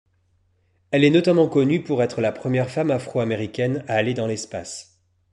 Elle est notamment connue pour être la première femme afro-américaine à aller dans l'espace.